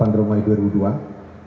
delapan jumat dua ribu dua